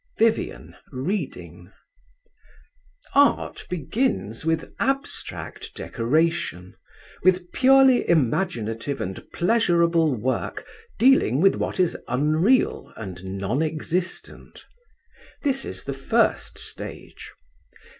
VIVIAN (reading). 'Art begins with abstract decoration, with purely imaginative and pleasurable work dealing with what is unreal and non existent. This is the first stage.